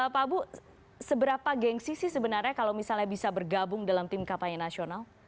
pak abu seberapa gengsi sih sebenarnya kalau misalnya bisa bergabung dalam tim kampanye nasional